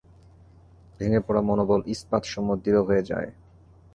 ভেঙ্গে পড়া মনোবল ইস্পাতসম দৃঢ় হয়ে যায়।